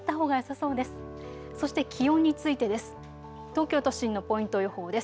そして気温についてです。